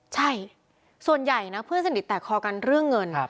ใช่ส่วนใหญ่นะเพื่อนสนิทแตกคอกันเรื่องเงิน